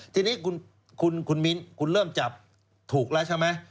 ทีนี้คุณมิ้นคุณเริ่มจับถูกแล้วใช่ไหม